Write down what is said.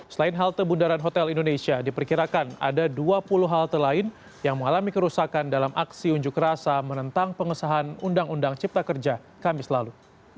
selain halte bundaran hotel indonesia diperkirakan ada dua puluh halte lain yang mengalami kerusakan dalam aksi unjuk rasa menentang pengesahan undang undang cipta kerja kamis lalu